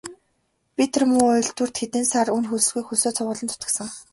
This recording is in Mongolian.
Би тэр муу үйлдвэрт хэдэн сар үнэ хөлсгүй хөлсөө цувуулан зүтгэсэн.